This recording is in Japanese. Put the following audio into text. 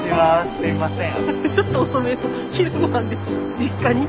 すみません。